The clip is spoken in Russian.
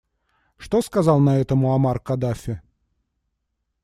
Что сказал на это Муамар Каддафи?